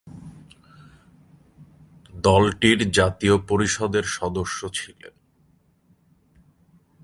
দলটির জাতীয় পরিষদের সদস্য ছিলেন।